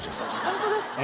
ホントですか？